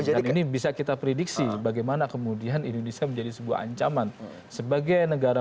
jadi ini bisa kita prediksi bagaimana kemudian indonesia menjadi sebuah ancaman sebagai negara